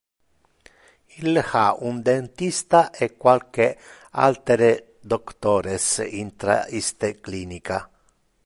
Il ha un dentista e qualque altere doctores intra iste clinica.